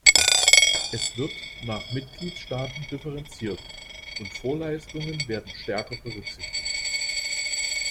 Es wird nach Mitgliedstaaten differenziert, und Vorleistungen werden stärker berücksichtigt.